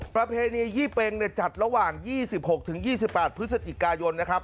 ประเพณียี่เป็งจัดระหว่าง๒๖๒๘พฤศจิกายนนะครับ